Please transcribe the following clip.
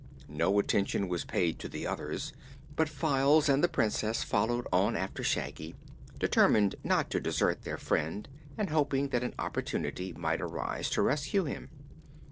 No attention was paid to the others, but Files and the Princess followed on after Shaggy, determined not to desert their friend and hoping that an opportunity might arise to rescue him.